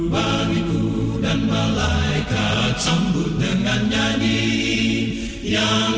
baikioni si kawan badai hatinya dengan keeping